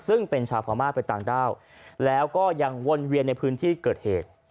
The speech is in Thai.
ซึ่งเป็นชาวพม่าไปต่างด้าวแล้วก็ยังวนเวียนในพื้นที่เกิดเหตุ